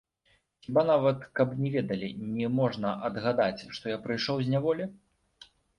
Хіба нават каб не ведалі, не можна адгадаць, што я прыйшоў з няволі?!